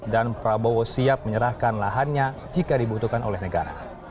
dan prabowo siap menyerahkan lahannya jika dibutuhkan oleh negara